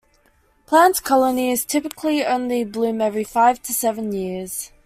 Plant colonies typically only bloom every five to seven years.